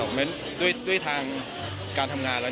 คุณแม่น้องให้โอกาสดาราคนในผมไปเจอคุณแม่น้องให้โอกาสดาราคนในผมไปเจอ